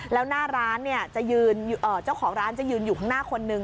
แล้วหน้าร้านเนี่ยเจ้าของร้านจะยืนอยู่ข้างหน้าคนนึง